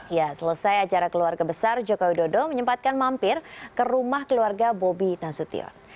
ya selesai acara keluarga besar jokowi dodo menyempatkan mampir ke rumah keluarga bobi nasution